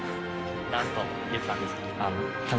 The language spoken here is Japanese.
なんと言ったんですか？